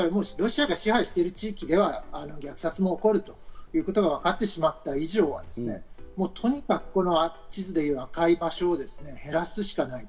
ロシアが支配している地域では虐殺も起こるということはわかってしまった以上、とにかく地図でいうこの赤い場所を減らすしかない。